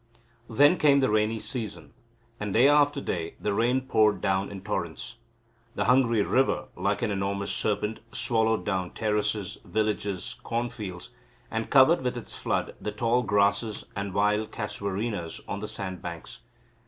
Then came the rainy season, and day after day the rain poured down in torrents. The hungry river, like an enormous serpent, swallowed down terraces, villages, cornfields, and covered with its flood the tall grasses and wild casuarinas on the sand banks.